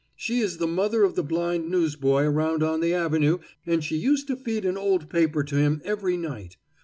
She is the mother of the blind newsboy around on the avenue, an' she used to feed an old paper to him every night.